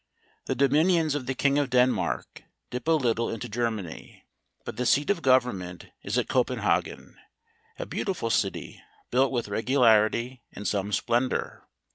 The dominions of the King of Denmark dip a little into Germany; but the seat of government is at Copenhagen; a beautiful city, built with regularity and some splendour.